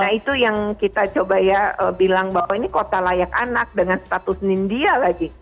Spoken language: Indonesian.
nah itu yang kita coba ya bilang bahwa ini kota layak anak dengan status nindia lagi